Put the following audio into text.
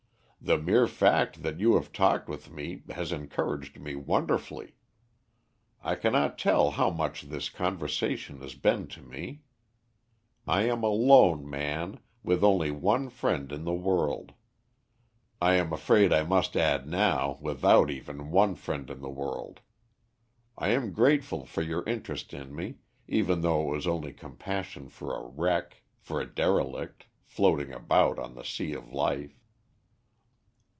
"The mere fact that you have talked with me has encouraged me wonderfully. I cannot tell how much this conversation has been to me. I am a lone man, with only one friend in the world I am afraid I must add now, without even one friend in the world. I am grateful for your interest in me, even though it was only compassion for a wreck for a derelict, floating about on the sea of life."